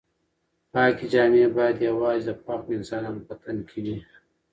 پاکې جامې باید یوازې د پاکو انسانانو په تن کې وي.